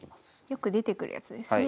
よく出てくるやつですね。